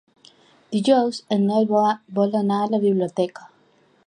Dijous en Nel vol anar a la biblioteca.